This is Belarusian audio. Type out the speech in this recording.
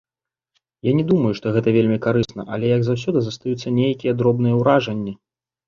Я не думаю, што гэта вельмі карысна, але, як заўсёды, застаюцца нейкія добрыя ўражанні.